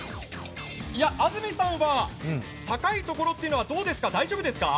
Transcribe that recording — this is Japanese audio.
安住さんは高い所はどうですか、大丈夫ですか？